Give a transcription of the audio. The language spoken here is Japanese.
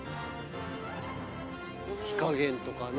火加減とかね。